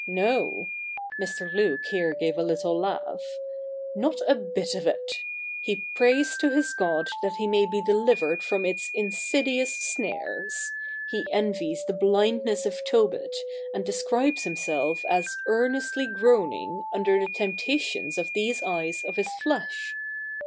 No—' Mr. Luke here gave a little laugh — 'not a bit of it ! He prays to his God that he may be delivered from its insidious snares ; he envies the blindness of Tobit, and describes himself as '' earnestly groaning " under the temptations of these eyes of his flesh.